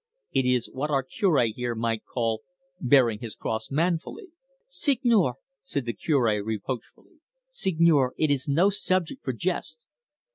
"It is what our Cure here might call bearing his cross manfully." "Seigneur," said the Cure reproachfully, "Seigneur, it is no subject for jest."